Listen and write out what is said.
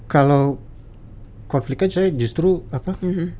kalau konfliknya saya justru apa